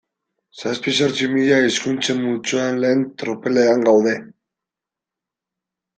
Zazpi-zortzi mila hizkuntzen multzoan lehen tropelean gaude.